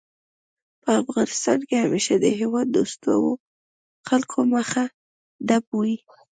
په افغانستان کې همېشه د هېواد دوستو خلکو مخه ډب وي